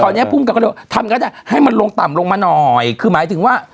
ตอนนี้ภูมิกับก็เลยทำก็ได้ให้มันลงต่ำลงมาหน่อยคือหมายถึงว่า